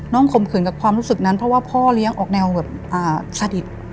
ข่มขืนกับความรู้สึกนั้นเพราะว่าพ่อเลี้ยงออกแนวแบบสนิท